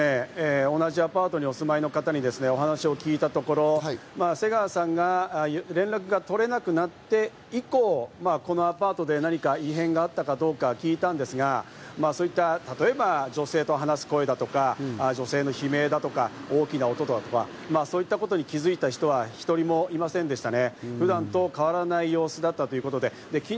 昨日もですね、同じアパートにお住まいの方にお話を聞いたところ、瀬川さんが連絡が取れなくなって以降、このアパートで何か異変があったかどうか聞いたんですが、そういった、例えば女性と話す声だとか、女性の悲鳴だとか、大きな音だとかそういったことに気づいた人は一人もいませんでしたね。